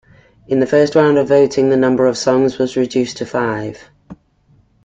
In the first round of voting, the number of songs was reduced to five.